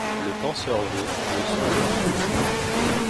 Le penseur veut, le songeur subit.